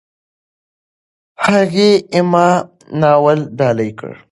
هغې "اِما" ناول ډالۍ کړ.